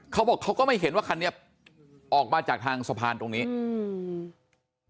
เขาบอกเขาก็ไม่เห็นว่าคันนี้ออกมาจากทางสะพานตรงนี้อืม